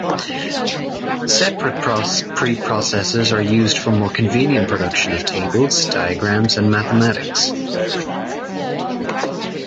Separate preprocessors are used for more convenient production of tables, diagrams, and mathematics.